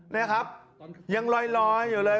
นี่ครับยังลอยอยู่เลย